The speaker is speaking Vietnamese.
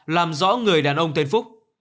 làm rõ người đàn ông tên phúc